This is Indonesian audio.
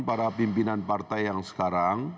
para pimpinan partai yang sekarang